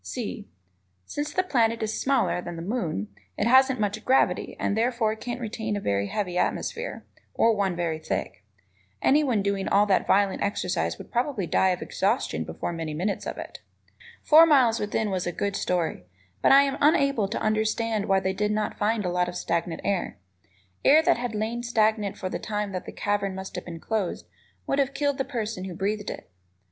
(c) Since the planet is smaller than the moon, it hasn't much gravity and therefore can't retain a very heavy atmosphere, or one very thick. Anyone doing all that violent exercise would probably die of exhaustion before many minutes of it. "Four Miles Within" was a good story, but I am unable to understand why they did not find a lot of stagnant air. Air that had lain stagnant for the time that cavern must have been closed would have killed the person who breathed it.